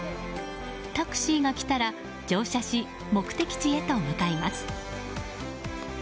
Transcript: タクシーがきたら乗車し目的地へと向かいます。